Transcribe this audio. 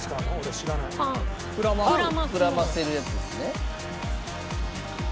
膨らませるやつですね。